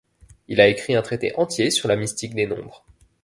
Il a écrit un traité entier sur la mystique des nombres.